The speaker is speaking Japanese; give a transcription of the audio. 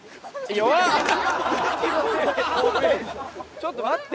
ちょっと待って。